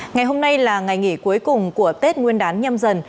ngày hôm nay là ngày nghỉ cuối cùng của tết nguyên đán nhâm dần